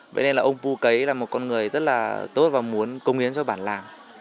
vậy nên là ông pu cấy là một con người rất là tốt và muốn công hiến cho bản làng